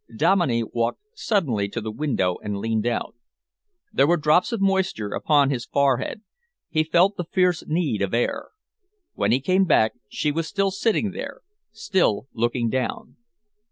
Dominey walked suddenly to the window and leaned out. There were drops of moisture upon his forehead, he felt the fierce need of air. When he came back she was still sitting there, still looking down.